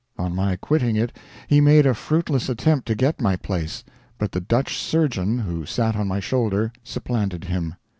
On my quitting it he made a fruitless attempt to get my place; but the Dutch surgeon, who sat on my shoulder, supplanted him.